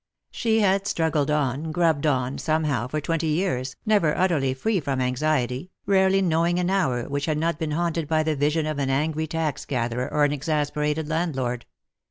She had struggled on, grubbed on, somehow, for twenty years, never utterly free from anxiety, rarely knowing an hour which had not been haunted by the vision of an angry tax gatherer or an exasperated landlord.